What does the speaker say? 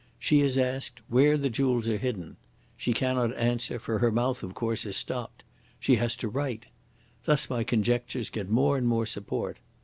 She is asked where the jewels are hidden. She cannot answer, for her mouth, of course, is stopped. She has to write. Thus my conjectures get more and more support.